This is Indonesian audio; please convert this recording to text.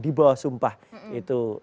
di bawah sumpah itu